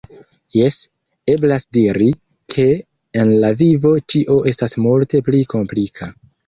Jes, eblas diri, ke en la vivo ĉio estas multe pli komplika.